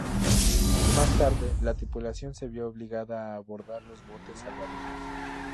Más tarde, la tripulación se vio obligada a abordar los botes salvavidas.